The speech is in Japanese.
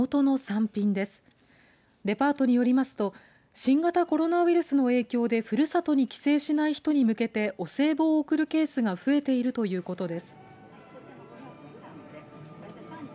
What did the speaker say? デパートによりますと新型コロナウイルスの影響でふるさとに帰省しない人に向けてお歳暮を贈るケースが増えているということです。